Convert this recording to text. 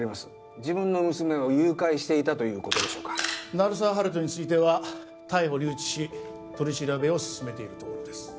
自分の娘を誘拐していたということでしょうか鳴沢温人については逮捕留置し取り調べを進めているところです